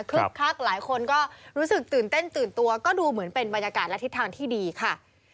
คลักหลายคนก็รู้สึกตื่นเต้นตื่นตัวก็ดูเหมือนเป็นบรรยากาศและทิศทางที่ดีค่ะ